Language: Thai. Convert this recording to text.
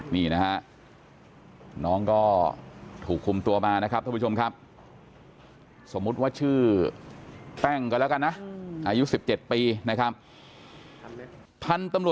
นี่นะฮะน้องก็ถูกคุมตัวมานะครับท่านผู้ชมครับ